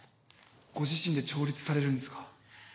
ご自身で調律されるんですか？